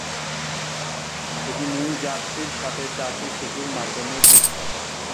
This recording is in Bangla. এটি নিউ জার্সির সাথে চারটি সেতুর মাধ্যমে যুক্ত।